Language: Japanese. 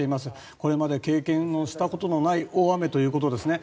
これまで経験のしたことのない大雨ということですね。